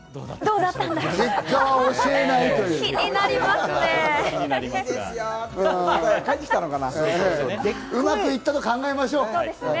うまくいったと考えましょう。